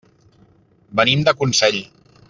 Venim de Consell.